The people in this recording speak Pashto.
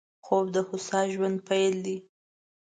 خوب د هوسا ژوند پيل دی